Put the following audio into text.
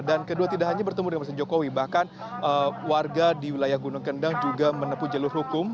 dan kedua tidak hanya bertemu dengan presiden jokowi bahkan warga di wilayah gunung kendang juga menepu jelur hukum